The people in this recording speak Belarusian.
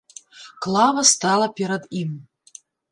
Клава стала перад ім.